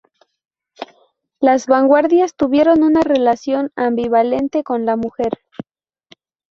Las vanguardias tuvieron una relación ambivalente con la mujer.